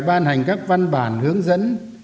ban hành các văn bản hướng dẫn